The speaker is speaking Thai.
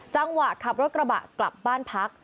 จังหวะขับรถกระบะกลับบ้านพัก